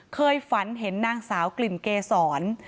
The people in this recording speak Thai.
เคยฝันเห็นนางสาวกลิ่นเกษร